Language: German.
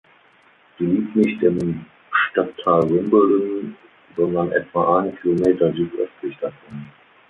Sie liegt nicht im Stadtteil Wimbledon, sondern etwa einen Kilometer südöstlich davon.